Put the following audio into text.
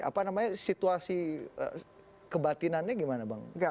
apa namanya situasi kebatinannya gimana bang